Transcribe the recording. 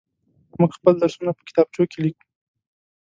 موږ خپل درسونه په کتابچو کې ليكو.